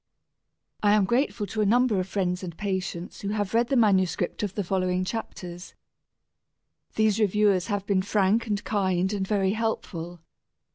I am grateful to a number of friends and patients who have read the manuscript of the following chapters. These reviewers have been frank and kind and very helpful.